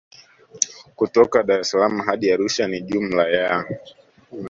Kutoka Daressalaam hadi Arusha ni jumla ya